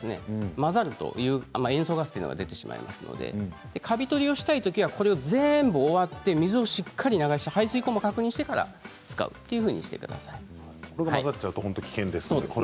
混ぜると塩素ガスが出てしまいますのでカビ取りをしたいときはこれを全部終わって水をしっかり流した排水口も確認してから使うというふうにしてください。